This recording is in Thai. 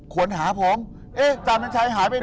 ควรหาผมเอ๊ะจามน้ำชายหายไปไหน